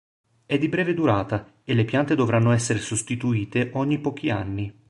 È di breve durata e le piante dovranno essere sostituite ogni pochi anni.